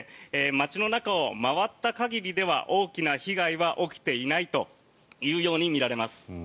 街の中を回った限りでは大きな被害は起きていないというように見られます。